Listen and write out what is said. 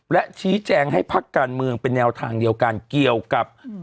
และชี้แจงให้พักการเมืองเป็นแนวทางเดียวกันเกี่ยวกับ